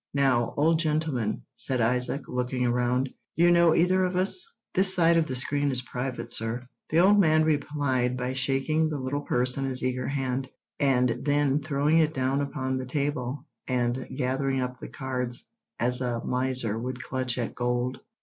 "Now, old gentleman," said Isaac, looking round, "do you know either of us? This side of the screen is private, sir." The old man replied by shaking the little purse in his eager hand, and then throwing it down upon the table, and gathering up the cards as a miser would clutch at gold.